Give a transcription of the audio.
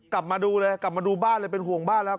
กลับมาดูเลยกลับมาดูบ้านเลยเป็นห่วงบ้านแล้ว